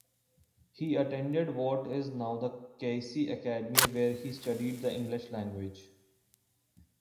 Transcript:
He attended what is now the Kaisei Academy where he studied the English language.